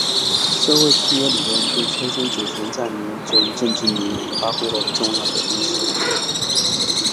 社会契约理论对催生主权在民这一政治理念发挥了重要的历史作用。